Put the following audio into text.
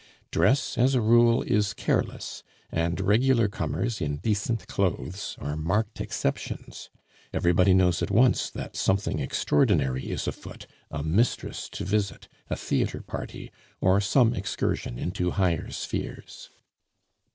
Dress, as a rule, is careless, and regular comers in decent clothes are marked exceptions. Everybody knows at once that something extraordinary is afoot: a mistress to visit, a theatre party, or some excursion into higher spheres.